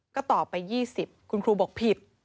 ก็ตอบไป๒๐คุณครูบอกผิด